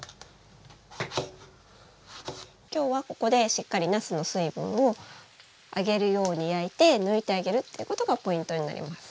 今日はここでしっかりなすの水分を揚げるように焼いて抜いてあげるっていうことがポイントになります。